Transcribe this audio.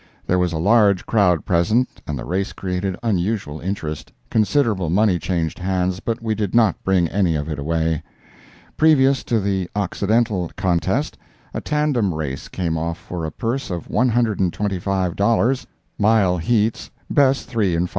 There was a large crowd present, and the race created unusual interest; considerable money changed hands, but we did not bring any of it away. Previous to the Occidental contest, a tandem race came off for a purse of one hundred and twenty five dollars, mile heats, best 3 in 5.